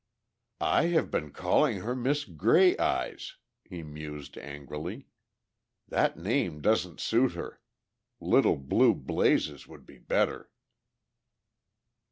"I have been calling her Miss Grey Eyes!" he mused angrily. "That name doesn't suit her. Little Blue Blazes would be better!"